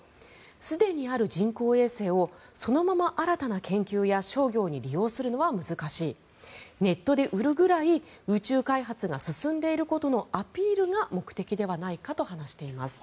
すでにある人工衛星をそのまま新たな研究や商業に利用するのは難しいネットで売るくらい宇宙開発が進んでいることのアピールが目的ではないかと話しています。